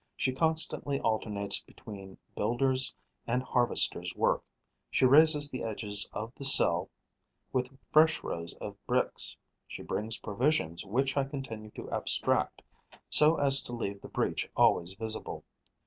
She constantly alternates between builder's and harvester's work; she raises the edges of the cell with fresh rows of bricks; she brings provisions which I continue to abstract, so as to leave the breach always visible.